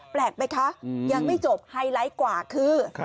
แปลกไหมคะยังไม่จบไฮไลท์กว่าคือ